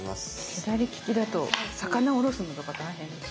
左利きだと魚をおろすのとか大変ですよね。